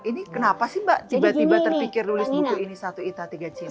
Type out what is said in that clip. ini kenapa sih mbak tiba tiba terpikir nulis buku ini satu ita tiga ciri